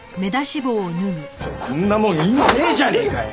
クソッこんなもん意味ねえじゃねえかよ。